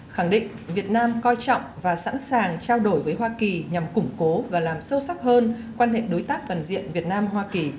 khẳng định việt nam coi trọng và sẵn sàng trao đổi với hoa kỳ nhằm củng cố và làm sâu sắc hơn quan hệ đối tác toàn diện việt nam hoa kỳ